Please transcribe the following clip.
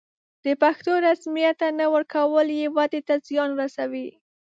د پښتو رسميت ته نه ورکول یې ودې ته زیان رسولی.